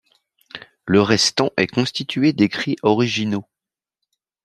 Le restant est constitué d'écrits originaux.